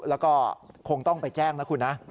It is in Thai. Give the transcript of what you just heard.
แล้วก็คงต้องไปแจ้งนะคุณนะ